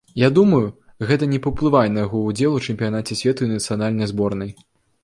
Я думаю, гэта не паўплывае на яго ўдзел у чэмпіянаце свету і нацыянальнай зборнай.